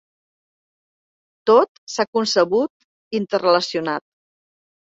Tot s’ha concebut interrelacionat.